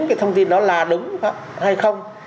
cái thông tin đó là đúng hay không